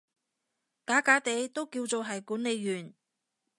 假假地都叫做係管理員